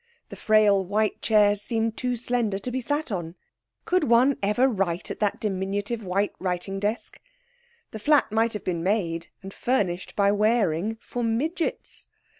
The frail white chairs seemed too slender to be sat on. Could one ever write at that diminutive white writing desk? The flat might have been made, and furnished by Waring, for midgets.